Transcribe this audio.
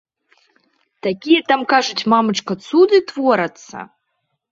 Такія там, кажуць, мамачка, цуды творацца.